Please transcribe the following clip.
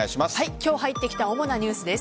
今日入ってきた主なニュースです。